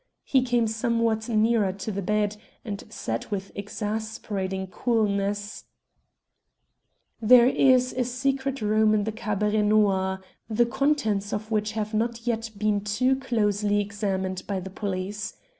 He came somewhat nearer to the bed, and said with exasperating coolness "There is a secret room in the Cabaret Noir, the contents of which have not yet been too closely examined by the police.